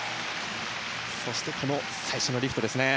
そして、最初のリフトですね。